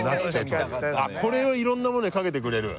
これをいろんなものにかけてくれる？